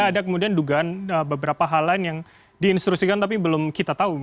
ada kemudian dugaan beberapa hal lain yang diinstruksikan tapi belum kita tahu